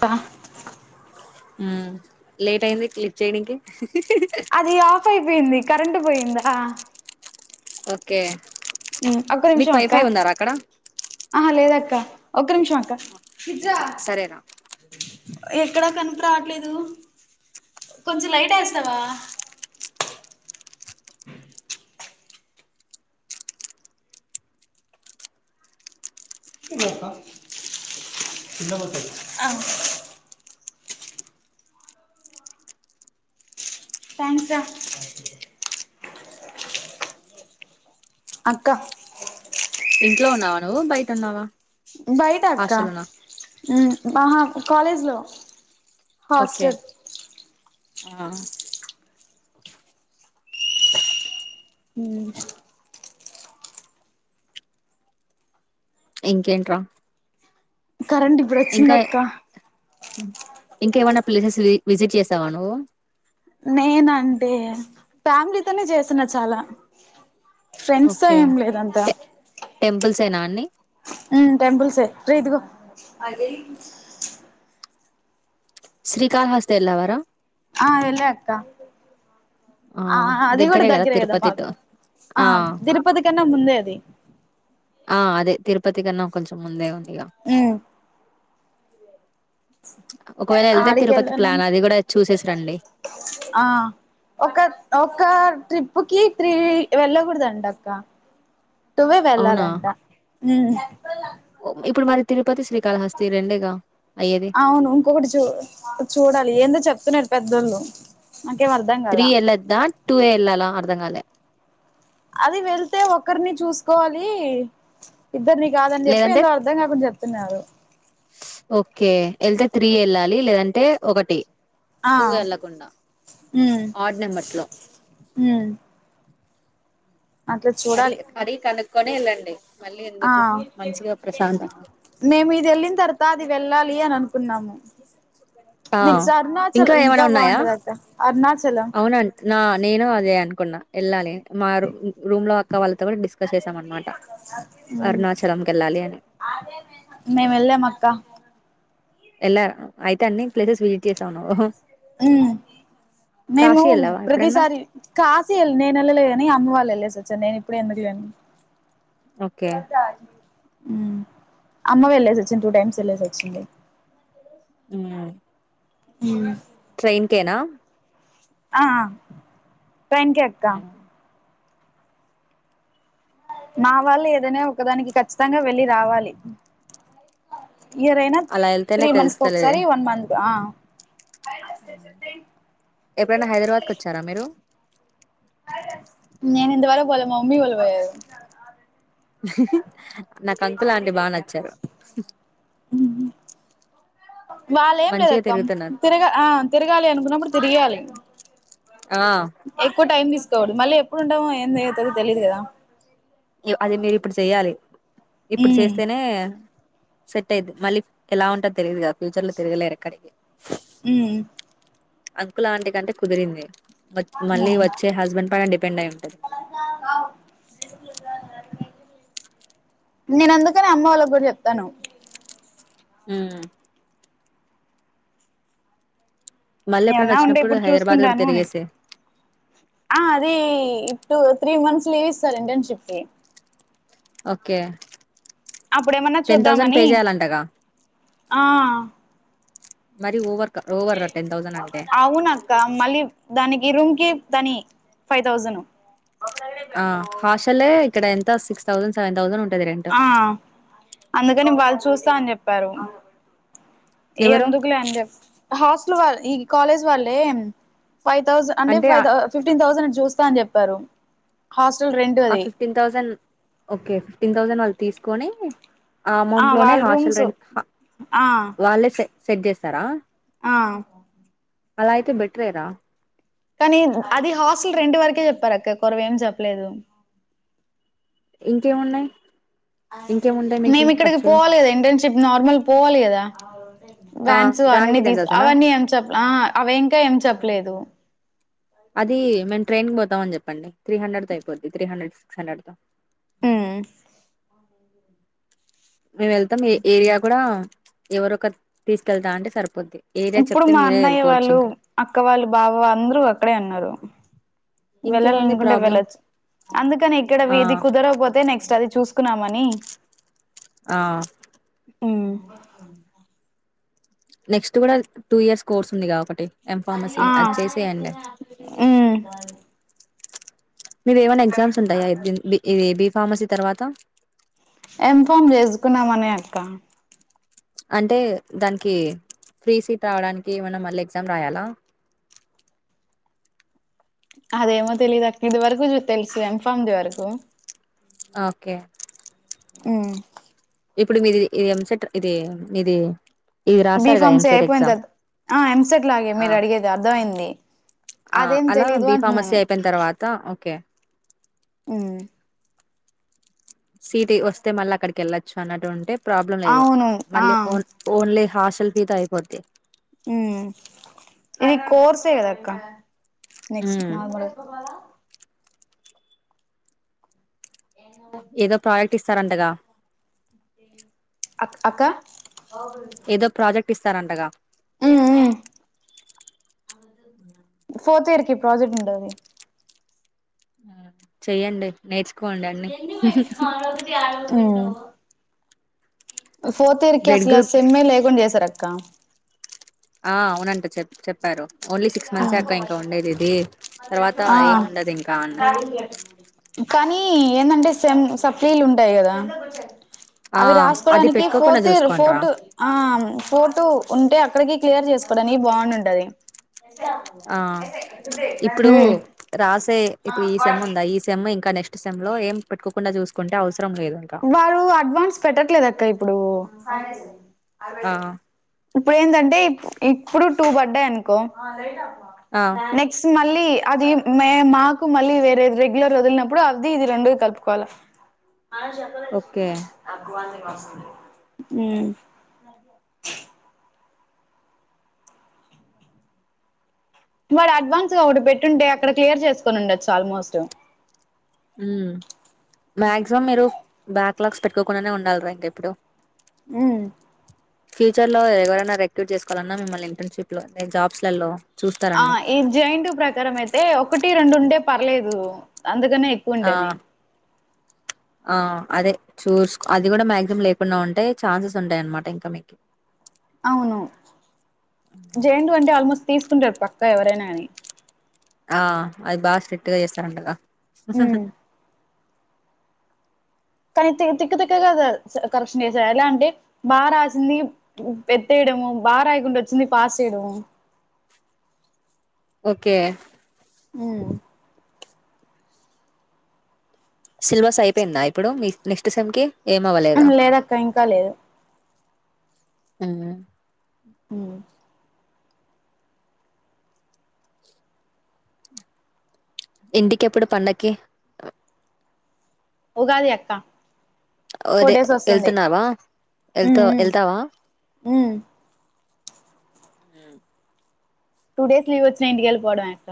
త ఉమ్ లేట్ అయింది క్లిక్ చేయినికి అది ఆఫ్ అయిపోయింది కరెంట్ పోయింధా ఓకె ఒక్క నిమిషం అక్క అక్కడ ఆహ లేదక్క ఒక్క నిమిషమ్ అక్క పిజ్జా సరేరా ఎక్కడా కన్పి రాట్లేదు కొంచెం లైట్ వేస్తావా అ థ్యాంక్స్ రా అక్క ఇంట్లో ఉన్నావ నువ్వు బయట ఉన్నావ బయటక్క బహు కాలేజ్లో ఓకే హస్టర్ ఆ హుమ్ ఇంకేంట్ర కరెంట్ ఇప్పుడొచ్చిందక్క ఇంకా ఏమైన ప్లేసెస్ విజిట్ చేసావ నువ్వు నేనంటే ఫ్యామిలీతోనే చేస్తున్న చాల ఫ్రెండ్స్ తో ఏం లేదంతా సేన అన్ని ఉమ్ టెంపుల్సే రే ఇదిగో శ్రీకాళహస్తతి ఎల్వరా ఆ వెళ్ళ అక్క ఆ అది కూడ దగ్గరే కదా మాకు ఆ తిరుపతి కన్నా ఇంక ముందే అది ఆ అదే తిరుపతికన్నా కొంచెం ముందే ఉంది ఇక ఉమ్ ఒకవేళ వెళ్తే ఆడికి తిరుపతి వెళ్ళన్నా ప్లాన్ అది కూడా చూసేసి రండి ఆ ఒక ఒకా ట్రిప్ ప్పుకీ త్రి వెళ్ల గో డ్డంటక్క టూవ్వే అవునా వెళ్ళాలంట మ్ ఇప్పుడు మరి తిరుపతి శ్రీకాళహస్తి రెండేగ అవును ఇంకొకటి చూ చూడాలి ఏందో చెప్తున్నారు పెద్దళ్ళు త్రీ ఎల్ద్దా టూవే ఎల్లా పతంగాల అది వెళ్తే ఒకరిని చూసుకోవాలి ఇద్దరిని కాదని చెప్పి లేదంటే ఏందో అర్ధం కాకుండా చెప్తున్నారు ఓకే వెళ్తే త్రీ వెళ్ళాలి లేదంటే ఒకటి ఆ టూ వెళ్ళకుండా ఆడ్ నెంబర్స్ లో అట్లా అర చూడాలి అరే కాల క్కని వెళ్ళండి మళ్ళీ ఆ ఎందుకు మంచిగా ప్రశాంతంగా మేము ఇది వెళ్ళిన తర్వాత అది వెళ్ళాలి అని అనుకున్నాము ఆ నెక్స్ట్ ఇంకా అరుణాచలం ఏమైనా ఉన్నాయా బాగుంటది అక్క అరుణాచలం అవునం నా నేను అదే అను వెళ్ళాలి మా రూమ్ లో అక్క వాళ్ళ అరుణాచలంకి వెళ్ళాలి అని నేవ వెళ్ల్ మ అక్క ఎలా అయితే అండి ప్లేసెస్ విజిట్ చేసావును మేము వెళ్ళావా ఎప్పుడన్నా ప్రతిసారి కాశీ వెళ్ళి నేను వెళ్ళలేని అమ్మ వాళ్ళ వెళ్ళి సచన్ నేను ఇప్పుడు ఎ మదియాను ఓకే ఇప్పుడ రాజ అమ్మ వెళ్ళేసి వచ్చింది టూ టైమ్స్ వెళ్ళేసి వచ్చిడి చి హ ట్రైన్కనా ఆ పెంక అక్క మా వాళ్ళు ఏదైనా ఒకదానికి ఖచ్చితంగా వెళ్ళి రావాలి ఇయర్ అయినా అలా వెళ్తేనే త్రీ మంత్స్ తెలుస్తలే ఒకసారి వన్ మంత్ ఆ ఎప్పుడైనా హైదరాబాద్కి వచ్చారా మీరు నేను ఇ వార పోలే మా మమ్మీ పోల్ పోరు నాకు అంకుల్ అంటి బాగా నచ్చారు వాళ్ళ ఏం మంచిగా లేదక్క తిరుగుతున్నారు తిరగా ఆ తిరగాలి అనుకున్నప్పుడు తిరగాాలి ఆ ఎక్కువ టైమ్ తీసు డు మళ్ళీ ఎప్పుడుండామో ఏం అవుతుంది తెలియదు కదా అది మీరు ఇప్పుడు చెయ్యాలి ఇప్పుడు ఉమ్ చేస్తేనే సెట్ అయిది మళ్ళీ ఎలా ఉంటది తెలియదు కా ఫ్యూచర్ లో తిరగలేరు ఎక్కడికి ఉమ్ అంకుల్ ఆంటీ కి కంటే కుదిరింది వాచ్ మళ్ళీ ఉమ్ వచ్చే హస్బెండ్ ఫైన్ డిప పెండై ఉంటది నేను అందుకనే అమ్మ వాళ్ళకి కూడా చెప్తాను ఆ మళ్ళీ ఎప్పుడన్నా ఏమన్నా ఉంటే వచ్చినప్పుడు ఇప్పుడు హైదరాబాద్ కూడా చూసుకుంటాను అని తిరిగేసే ఆ అది ఇ టు త్రీ మంత్స్ లీవ్ ఇస్తారు [inaudible] కి ఓకే అప్పుడేమన్నా టెన్ థౌసండ్ చూద్దామని పే చేయాలంటగా ఆ మరి ఓవర్ ఓవర్ రా టెన్ థౌసండ్ అంటే అవునక్క మళ్ళీ దానికి ఈ రూమ్ కి తని ఫైవ్ థౌజండ్ ఆ హాషలే ఇక్కడ ఎంత అంతా సిక్స్ థౌజండ్ సెవెన్ తౌజండ్ ఉ ఆ అందుకని వాళ్ళు చూస్ స్తా అని చెప్పారు ఎవరు ఎందుకులే అని చెప్ హాస్టల్ వాల ఈ కాలేజ్ వాళ్ళే ఫై తౌజెన్ అంటే ఫిఫ్టీన్ తౌజెన్ చు ఇస్తా అని చెప్పారు హాస్టల్ రెంట్ ఆ అది fifteen thousand okay fifteen thousand వ తీసుకొన్ని ఆ అమౌంట్ లోనే వాళ్ళ హాస్టల్ రూమ్స్ రెంట్ ప ఆ వాళ్ళే స సెట్ చేస్తారా ఆ అలా అయితే బెటరే రా కానీ అది హాస్టల్ రెండు వరకే చెప్పారు అక్క కొరవ ఏం చెప్పలేదు ఇంకేమున్నాయి ఇంకేముంటాయి మీకి మేమి ఇక్కడికి ఖర్చులు పోవాలి కదా ఇంటర్నషిప్ నార్మల్ పోవాలి కదా ఆ బ్యాన్స్ అన్ని దానికి టెన్ తీసు థౌసండ్ ఆ అవన్నీ ఏం చెప్ప అవి ఇంకా ఏం చెప్ప లేదు అది మేము ట్రైన్ పోతామని చెప్పండి త్రీ హండ్రెడ్ తగ్గిపోద్ది త్రీ హండ్రెడ్ సిక్స్ హండ్రెడ్ తో ఉ మేము వెళ్తాం ఏ ఏరియా కూడా ఎవరుఒకరు తీసుకెళ్తా అంటే సరిపోద్ది ఏరియా ఇప్పుడు చెప్తే మా మీరే అన్నయ్య వెళ్ళిపోవచ్చు వాళ్ళు ఇంకా అక్క వాళ్ళు బాబ వాళ్ళ అందరూ అక్కడే ఉన్నారు ఇంకేముంది వెళ్ళాలనుకుంటే ప్రాబ్లం వెళ్ళచ్చు అందుకని ఇక్కడ ఆ ఇది కుదరకపోతే నెక్స్ట్ అది చూసు కొనుకున్నామని ఆ ఉ నెక్స్ట్ కూడా టూ ఇయర్స్ కోర్స్ ఉందిగా ఒకటి ఎం ఫార్మసీ ఆ అది చేసేయండి ఉ [unintelligible] మీవి ఏమన్నా ఎగ్జామ్స్ ఉంటాయా ఇ ఏ బి ఫార్మసీ తర్వాత ఏం ఫం చేసుకున్నామని అక్క అంటే దానికి ఫ్రీ సీట్ రావడానికి ఏమనా మళ్ళీ ఎగ్జామ్ రాయాలా అదేమో తెలియదు అక్క ఇది వరకు తెలుసు ఎంఫమ్ ది వరకు ఓకే ఉ ఇప్పుడు మీది ఇది ఎంసేట్ ఇది మీది ఇది బి రాసారుగా ఫామ్సే ఎంసెట్ అయిపోయింది ఎగ్జామ్ త ఆ ఎంసెట్లాగే ఆ మీరు అడిగేది అర్థ అయింది ఆ అలా బి ఫార్మస్ అయిపోయిన తర్వాత ఓకే ఉ సీట్ వస్తే మళ్ళీ అక్కడికి వెళ్ళొచ్చు అన్నట్టు ఉంటే ప్రాబ్లం లేదు అవును ఆ మళ్ళీ ఓన్ ఓన్లీ హాశల్పితయిపోతది ఉ ఇది కోర్స్ ఏ కాదా అక్క నెక్స్ట్ ఉమ్, నగు ఏ ఏదో ప్రోడక్ట్ ఇస్తారంతగా అ అక్క అవు పప్పిస్తారంటగా ఫర్త్ ఇర్కి ప్రజెక్ట్ ఉండది ఆ ఎ ఎజా ఆ ఆ ఫోర్త్ ఇయర్ కి బ్లడ్ అసలు గ్రూప్ సమ్ే లేకుండా చేసారు అ అకా ఆ అవునంట చెప్ చెప్పారు ఓన్లీ సిక్స్ మంత్సే అక్క ఇంకా ఉండేది ఇది తర్వాత ఆ ఏముండదు ఇంకా అన్న కానీ ఏంటంటే సమ్ సప్లైలు ఉంటాయి కదా ఆ అవి అది రాసుకోడానికి పెట్టుకోకుండా ఫోర్త్ర్ చూసుకోండి రా ఫోర్టు ఆ ఫోర్టు ఉంటే అ అక్కడికి క్లియర్ చేసుకోవడానికి బాగుంంటది ఆ ఇప్పుడు రాసే ఇప్పుడు ఈ సేమ్ ఉందా ఈ సేమ్ ఇం ఇక నెస్ట్ సెమ్ లో ఏం పెట్టుకుండా చూకుంటే అవసం వారు అడ్వాన్స్ పెట్టట్లేదు అక్క ఇప్ ప్పుడు ఆ అరవటే ఇప్పుడు ఏందంటే ఇప్పుడు టూ పడ్డాయి అనుకో ఆ నెక్స్ట్ మ మళ్ళీ అది మే మాకు మళ్ళీ వేరే రెగ్యులర్ వదిలినప్పుడు అది ఇది రెండు కలుపుకోవాల ఆ చెప్పలే ఓకే అగవాన్ ఉమ్ వాడు అడ్వాన్స్ గా ఒకటి పెట్టుంటే అక్కడ క్లియర్ చేసుకొని ఉండొచ్చు ఆల్మోస్ట్ ఉమ్ మక్సిమమ్ మీరు బ్యాక్లాగ్స్ పెట్టుకోకుండానే ఉండాలి రా ఇంకా ఇప్పుడు ఉమ్ ఫ్యూచర్ లో ఎవరైనా రెక్యూట్ చేసుకోవాలన్నన్నా మిమ్మల్ని ఇంటర్న్షిప్ లోే జాబ్స్లలో ఆ చూస్తారన్ని ఈ జయింట్ ప్రకారం అయితే ఒకటి రెండు ఉం టే పర్లేదు అందుకనే ఎక్కువ ఆ ఉండేని ఆ అదే చూస్ అది కూడా మాక్సిమం లేకుండా ఉంటే ఛాన్సెస్ ఉంటాయ అన్నమాట ఇంకా మీకి అవును జె యన్ టూ అంటే ఆల్మోస్ట్ తీసుకుంటార్ పక్కా ఎవరైనా కాని ఆ అది బాగా స్ట్రిక్ట్ గా చేస్తారుండగా హహ హ్మ్. కానీ తిక్క తక్క గా కరప్షన్ చేసారు ఎలా అంటే బాగా రాసింది ఎట్టేయడము బాగా రాయకుండా వచ్చింది పాస్ చేయడము ఓకే ఉమ్ సిలబస్ అయిపోయిందా ఇప్పుడు మీ నెక్స్ట్ సెమ్ కి ఏం లేదక్క ఇంకా లేదు అ హమ్ ఇంటికి ఎప్పుడు పండగకి ఉగాది అక్కా అదే వెళ్తున్నావా వెళ్త హ్మ్. హ్మ్. వెళ్తావా హ్మ్. అ టూ డేస్ లీవ్ వచ్చిన ఇంటికికెల్లి పోవడమే ఇంక.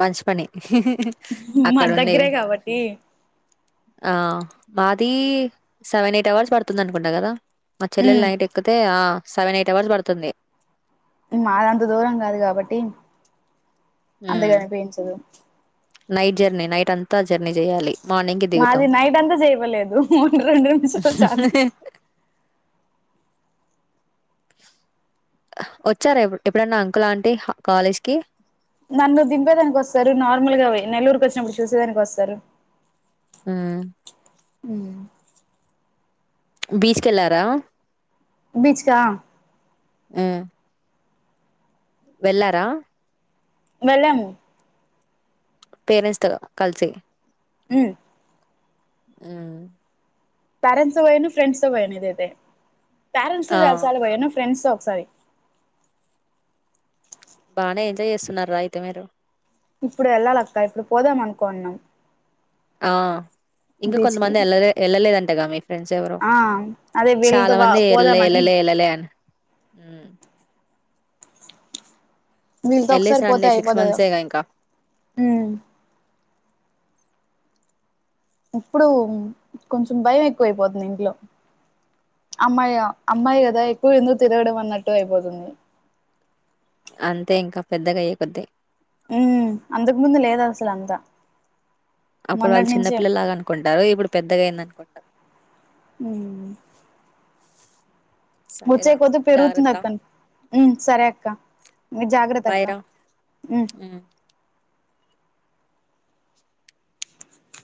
మంచించి పని ఇహి! ఇహి! మా దగ్గరే కాబట్టి. ఆ మాది సెవెన్ ఎయిట్ అవర్స్ పడుతుంది అనుకుంటా కదా. మా చెల్లెలు హ్మ్. నైట్ ఎక్కితే ఆ. సెవెన్ ఎయిట్ అవర్స్ పడుతుంది. మా అదంత దూరం కాదు కాబట్టి. హ్మ్. అంతకనిపంచదు. నైట్ జర్నీ, నైట్ అంతా జర్నీ చేయాలి. మార్నింగ్ కి దిగుతాం మాది నైట్ అంతా చేయలేదు ఒకటి రెండు నిమిషాలు. వచ్చారా? ఎ ఎప్పుడన్నా అంకుల్ంటి కాలేజ్ కి. నన్ను దింపేదానికి వస్తారు. నార్మల్గా నెల్లూరుకి వచ్చినప్పుడు చూసేదానికి వస్తారు. హ్మ్! హ్మ్! బీచ్ కి వెళ్ళారా? బీచ్ కా? హ్మ్! వెళ్లారా? వెళ్ళాం. పేరెంట్స్ త కలిసి. హ్మ్! హ్మ్! పేరెంట్స్ తో పోయిను ఫ్రెండ్స్ తో పోయాను ఇద అయితే. పేరెంట్స్ తో ఆ చాలాసార్లు పోయా. ఫ్రెండ్స్ తో సరే! బానే ఎంజాయ్ చేస్తున్నారా? అయితే మీరు ఇప్పుడు వెళ్ళాలక్క ఇప్పుడు పోదాం అనుకున్నాం. ఆ! ఇంకా బీచ్ కి కొంతమంది వెళ్ళలే వెళ్ళలేదంటేగామి. ఫ్రెండ్స్ ఎవరో? ఆ అదే చాలా వీళ్ళతో మంది ఎళ్ళలే పోదామని ఎళ్ళలే ఎళ్ళలే అని వీళ్ళతో ఎళ్ళేసి ఒకసారి పోతే రండి సిక్స్ అయిపోతాది గద! మంత్సేగా ఇంకా ఇప్పుడు కొంచెం భయం ఎక్కువయిపోతుంది ఇంట్లో. అమ్మాయి అమ్మాయి కదా ఎక్కువ ఎందుకు తిరగడం అన్నట్టు అయిపోతుంది. అంతే ఇంకా పెద్దగా అయ్యే కొద్ది. హ్మ్! అంతకు ముందు లేద అస సంత్రా! అప్పుడు వాళ్ళు చిన్నపిల్లలాగా అనుకుంటారు. ఇప్పుడు పెద్దగా అయింద అనుకుంటారు. హ్మ్! సరేరా వచ్చేకొద్ది పెరుగుతుంది జాగ్రత్త అక్కడి సరే అక్క మీ జాగ్రత్త బాయ్ అక్క రా మ్మ్